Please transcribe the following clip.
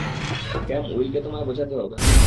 ক্যাম, উইলকে তোমায় বোঝাতে হবে।